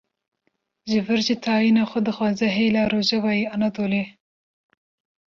ji wir jî tayîna xwe dixwaze hêla rojavayê Anadolê